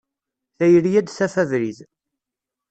Tayri ad d-taf abrid.